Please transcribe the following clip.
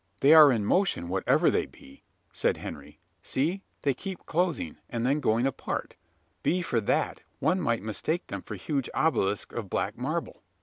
"They are in motion, whatever they be," said Henry. "See! they keep closing, and then going apart. But for that, one might mistake them for huge obelisks of black marble!"